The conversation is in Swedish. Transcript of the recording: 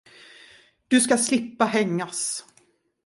Du skall slippa hängas.